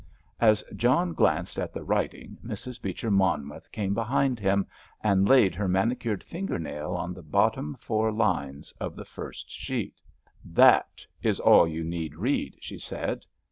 As John glanced at the writing Mrs. Beecher Monmouth came behind him, and laid her manicured finger nail on the bottom four lines of the first sheet. "That is all you need read," she said.